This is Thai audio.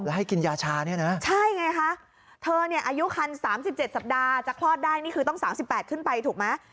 ให้กินยาชาเนี่ยนะใช่ไงคะเธอเนี่ยอายุคัน๓๗สัปดาห์จะคลอดได้นี่คือต้อง๓๘ขึ้นไปถูกไหม